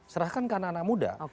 serahkan ke anak anak muda